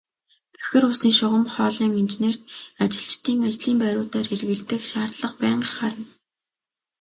Бохир усны шугам хоолойн инженерт ажилчдын ажлын байруудаар эргэлдэх шаардлага байнга гарна.